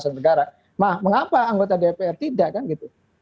nah mengapa anggota dpr tidak kan gitu